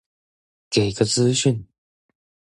給個資訊